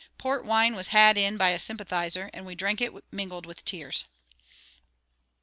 Port wine was had in by a sympathiser, and we drank it mingled with tears.